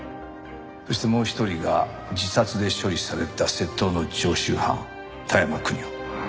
そしてもう一人が自殺で処理された窃盗の常習犯田山邦夫。